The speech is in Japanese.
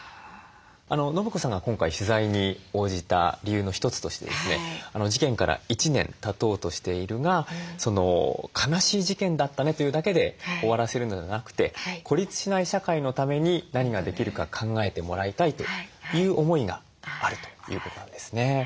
伸子さんが今回取材に応じた理由の一つとしてですね事件から１年たとうとしているが「悲しい事件だったね」というだけで終わらせるのではなくて孤立しない社会のために何ができるか考えてもらいたいという思いがあるということなんですね。